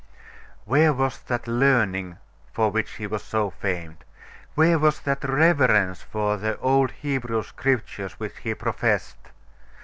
Where was that learning for which he was so famed? Where was that reverence for the old Hebrew Scriptures which he professed?